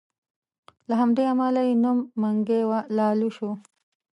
له همدې امله یې نوم منګی لالو شو.